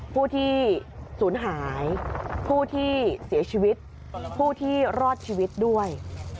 ผู้ที่สูญหายผู้ที่เสียชีวิตผู้ที่รอดชีวิตด้วย